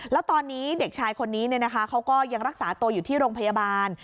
แล้วตอนนี้เด็กชายคนนี้เขาก็ยังรักษาตัวอยู่ที่โรงพยาบาล